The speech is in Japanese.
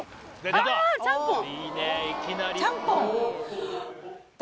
ちゃんぽん